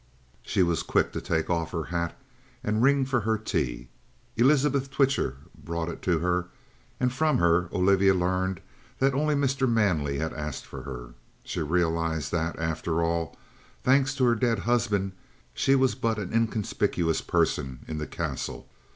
She was quick to take off her hat and ring for her tea. Elizabeth Twitcher brought it to her, and from her Olivia learned that only Mr. Manley had asked for her. She realized that, after all, thanks to her dead husband, she was but an inconspicuous person in the Castle.